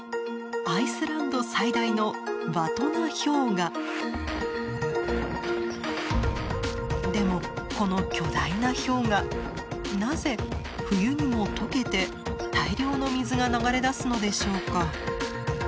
アイスランド最大のでもこの巨大な氷河なぜ冬にもとけて大量の水が流れ出すのでしょうか？